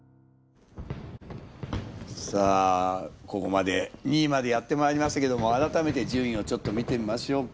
さあここまで２位までやってまいりましたけども改めて順位をちょっと見てみましょうか。